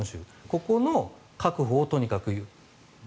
ここの確保をとにかく。